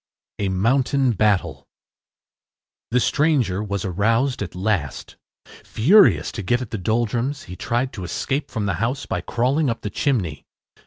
A MOUNTAIN BATTLE The stranger was aroused at last. Furious to get at the Doldrums, he tried to escape from the house by crawling up the chimney.